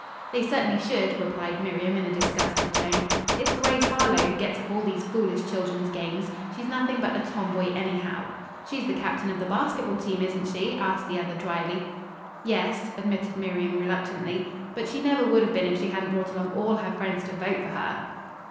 "They certainly should," replied Miriam in a disgusted tone. "It's Grace Harlowe who gets up all these foolish children's games. She's nothing but a tomboy, anyhow." "She's the captain of the basketball team, isn't she?" asked the other dryly. "Yes," admitted Miriam reluctantly, "but she never would have been if she hadn't brought along all her friends to vote for her."